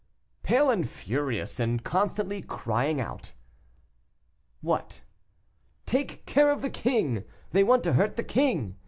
"Pale and furious, and constantly crying out." "What?" "Take care of the king! they want to hurt the king!